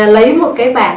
lấy một cái bảng